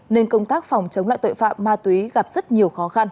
nên công tác phòng chống loại tội phạm ma túy gặp rất nhiều khó khăn